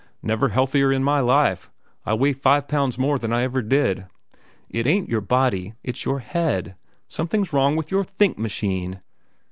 "Never healthier in my life. I weigh five pounds more than I ever did." "It ain't your body. It's your head. Something's wrong with your think machine.